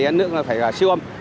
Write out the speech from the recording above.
nó cũng phải là sử dụng